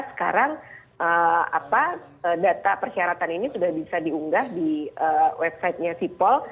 sekarang data persyaratan ini sudah bisa diunggah di website nya cipol